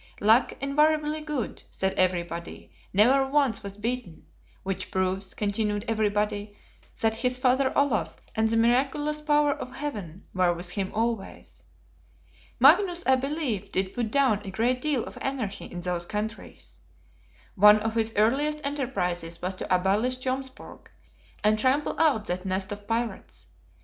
Luck invariably good, said everybody; never once was beaten, which proves, continued everybody, that his Father Olaf and the miraculous power of Heaven were with him always. Magnus, I believe, did put down a great deal of anarchy in those countries. One of his earliest enterprises was to abolish Jomsburg, and trample out that nest of pirates.